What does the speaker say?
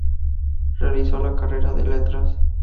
Realizó la carrera de Letras.